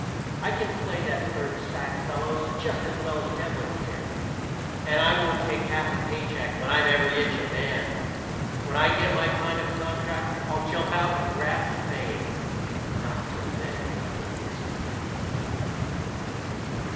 I can play that third sack, fellows, just as well as Devlin can, And I won't take half a paycheck, when I'm every inch a man. When I get my kind of contract, I'll jump out and grab the fame, Not till then will I get busy" but the contract never came.